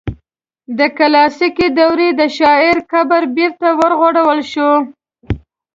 د کلاسیکي دورې د شاعر قبر بیرته ورغول شو.